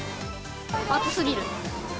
暑すぎる。